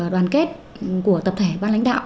đoàn kết của tập thể ban lãnh đạo